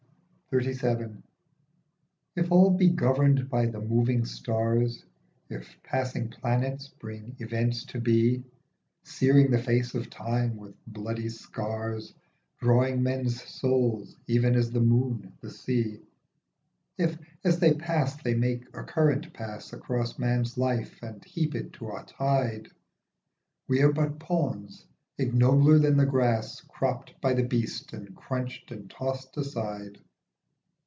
XXXVII. IF all be governed by the moving stars, If passing planets bring events to be, Searing the face of Time with bloody scars, Drawing men's souls even as the moon the sea, If as they pass they make a current pass Across man's life and heap it to a tide, We are but pawns, ignobler than the grass Cropped by the beast and crunched and tossed aside.